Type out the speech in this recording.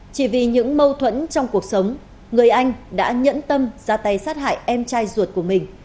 chỉ vì những mâu thuẫn trong cuộc sống người anh đã nhẫn tâm ra tay sát hại em trai ruột của mình